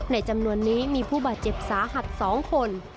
จำนวนนี้มีผู้บาดเจ็บสาหัส๒คน